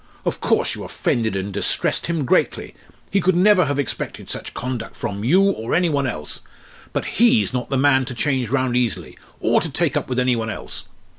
Of course you offended and distressed him greatly. He could never have expected such conduct from you or any one else. But he's not the man to change round easily, or to take up with any one else.